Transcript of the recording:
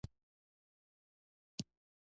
هره میاشت پیسې اخلم